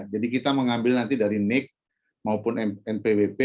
jadi kita mengambil nanti dari nik maupun npwp